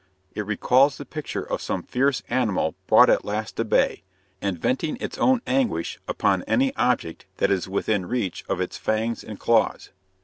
It recalls the picture of some fierce animal brought at last to bay, and venting its own anguish upon any object that is within reach of its fangs and claws.